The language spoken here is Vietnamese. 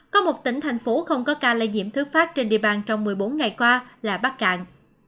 có một tỉnh thành phố không có ca lây nhiễm thứ phát trên địa bàn trong một mươi bốn ngày qua là bắc cạn